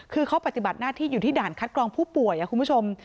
คือเขาปฏิบัติหน้าที่อยู่ที่ด่านคัดกรองผู้ป่วยคุณผู้ชม